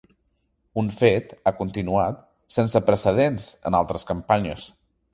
Un fet, ha continuat, ‘sense precedents’ en altres campanyes.